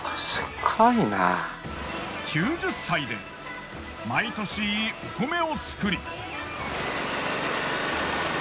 ９０歳で毎年お米を作り。